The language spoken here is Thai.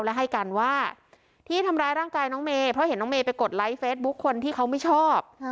และให้การว่าที่ทำร้ายร่างกายน้องเมย์เพราะเห็นน้องเมย์ไปกดไลค์เฟซบุ๊คคนที่เขาไม่ชอบ